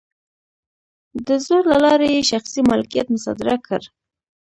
د زور له لارې یې شخصي مالکیت مصادره کړ.